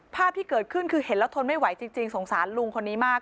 ภาพที่เกิดขึ้นคือเห็นแล้วทนไม่ไหวจริงสงสารลุงคนนี้มาก